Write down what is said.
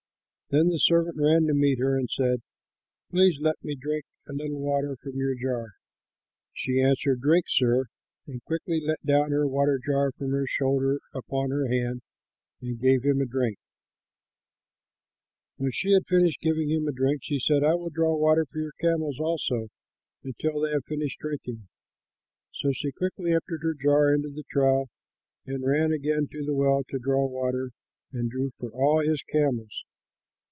Then the servant ran to meet her and said, "Please let me drink a little water from your jar." She answered, "Drink, sir," and quickly let down her water jar from her shoulder upon her hand and gave him a drink. [Illustration: The Testing of Abraham Painted by Fritz von Uhde] When she had finished giving him a drink she said, "I will draw water for your camels also, until they have finished drinking." So she quickly emptied her jar into the trough and ran again to the well to draw water, and drew for all his camels.